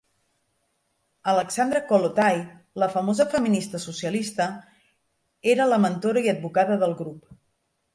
Alexandra Kollontai, la famosa feminista socialista, era la mentora i advocada del grup.